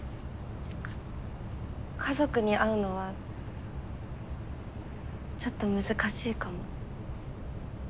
家族に会うのはちょっと難しいかも。